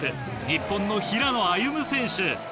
日本の平野歩夢選手。